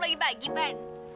yang harus kalian p steering